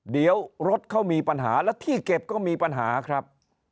เดี๋ยวรถเขามีปัญหาและที่เก็บก็มีปัญหาครับ